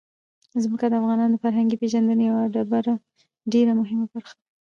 ځمکه د افغانانو د فرهنګي پیژندنې یوه ډېره مهمه برخه ده.